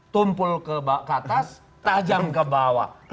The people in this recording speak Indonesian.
tumpul ke atas tajam ke bawah